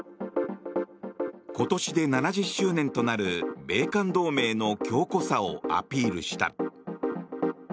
今年で７０周年となる米韓同盟の強固さをアピールした。